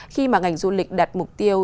khi mà ngành du lịch đặt mục tiêu